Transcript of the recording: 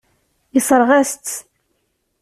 Yessṛeɣ-as-tt.